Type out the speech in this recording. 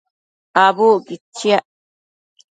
Abucquid chiac